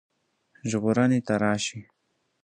ژغورني ته راشي.